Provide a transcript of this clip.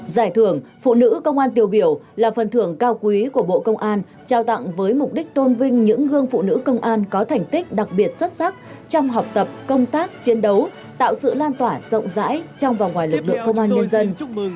giải thưởng phụ nữ công an tiêu biểu là phần thưởng cao quý của bộ công an trao tặng với mục đích tôn vinh những gương phụ nữ công an có thành tích đặc biệt xuất sắc trong học tập công tác chiến đấu tạo sự lan tỏa rộng rãi trong và ngoài lực lượng công an nhân dân